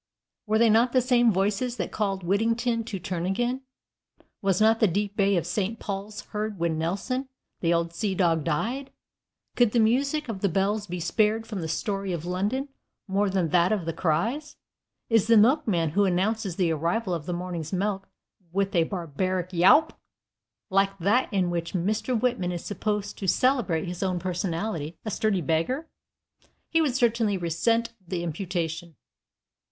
Were they not the same voices that called Whittington to turn again? Was not the deep bay of St. Paul's heard when Nelson, the old sea dog, died? Could the music of the bells be spared from the story of London more than that of the cries? Is the milkman who announces the arrival of the morning's milk with a "barbaric yawp," like that in which Mr. Whitman is supposed to celebrate his own personality, a sturdy beggar? He would certainly resent the imputation.